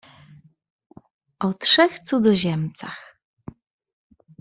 "O trzech cudzoziemcach."